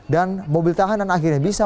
dan mobil tahanan akhirnya bisa